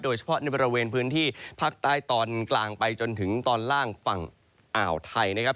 โดยเฉพาะในบริเวณพื้นที่ภาคใต้ตอนกลางไปจนถึงตอนล่างฝั่งอ่าวไทยนะครับ